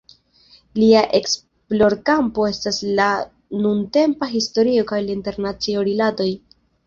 Lia esplorkampo estas la nuntempa historio kaj la internaciaj rilatoj.